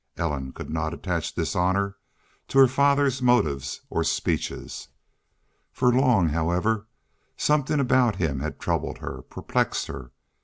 Ellen could not attach dishonor to her father's motives or speeches. For long, however, something about him had troubled her, perplexed her.